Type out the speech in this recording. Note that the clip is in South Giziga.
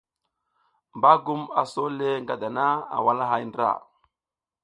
Bagum a sole nga dana a walahay ndra,